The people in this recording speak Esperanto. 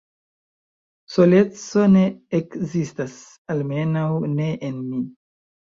Soleco ne ekzistas, almenaŭ ne en mi.